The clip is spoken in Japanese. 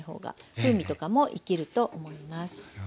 風味とかも生きると思います。